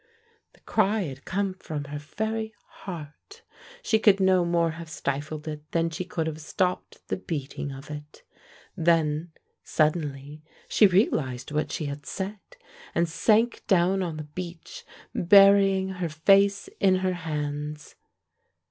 The cry had come from her very heart; she could no more have stifled it than she could have stopped the beating of it. Then, suddenly, she realized what she had said, and sank down on the beach, burying her face in her hands.